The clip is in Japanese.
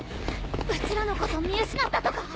うちらのこと見失ったとか？